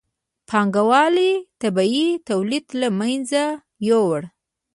پانګوالۍ طبیعي تولید له منځه یووړ.